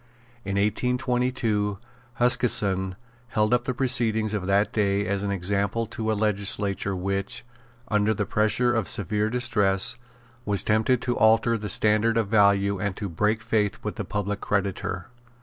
In 1822, Huskisson held up the proceedings of that day as an example to a legislature which, under the pressure of severe distress, was tempted to alter the standard of value and to break faith with the public creditor.